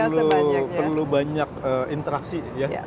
perlu banyak interaksi ya